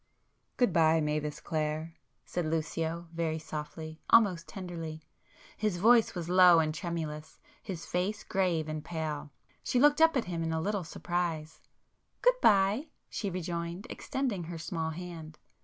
"Good bye, Mavis Clare!" said Lucio very softly, almost tenderly. His voice was low and tremulous—his face grave and pale. She looked up at him in a little surprise. "Good bye!" she rejoined, extending her small hand.